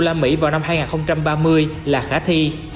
đó là mỹ vào năm hai nghìn ba mươi là khả thi